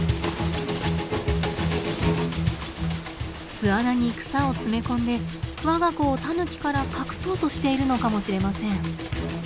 巣穴に草を詰め込んで我が子をタヌキから隠そうとしているのかもしれません。